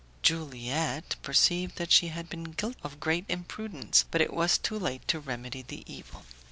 Juliette perceived that she had been guilty of great imprudence, but it was too late to remedy the evil.